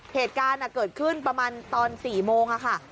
เหตุการณ์เกิดขึ้นประมาณตอน๔โมงค่ะ